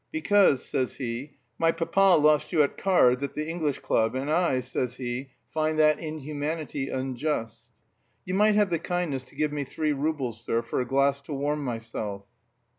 'Because,' says he, 'my papa lost you at cards at the English club, and I,' says he, 'find that inhumanity unjust.' You might have the kindness to give me three roubles, sir, for a glass to warm myself."